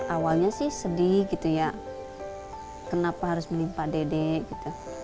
awalnya sih sedih gitu ya kenapa harus menimpa dede gitu